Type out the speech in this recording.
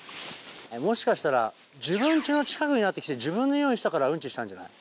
もしかしたら自分家の近くになってきて自分のニオイしたからウンチしたんじゃない？